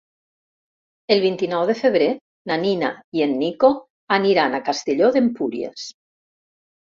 El vint-i-nou de febrer na Nina i en Nico aniran a Castelló d'Empúries.